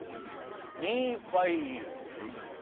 「ミーファイユー」？